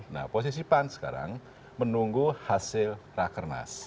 nah posisi pan sekarang menunggu hasil rakernas